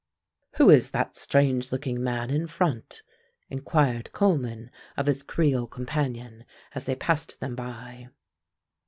"Who is that strange looking man in front?" inquired Coleman of his creole companion, as they passed them by.